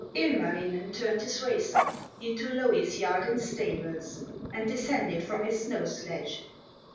Ilmarinen turned his racer Into Louhi's yard and stables, And descended from his snow sledge.